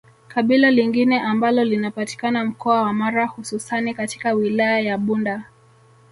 Kabila lingine ambalo linapatikana mkoa wa Mara hususani katika wilaya ya Bunda